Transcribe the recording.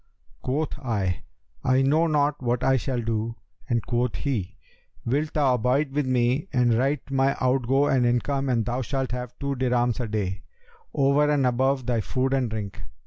Quoth I, 'I know not what I shall do,' and quoth he, 'Wilt thou abide with me and write my outgo and income and thou shalt have two dirhams a day, over and above thy food and drink?'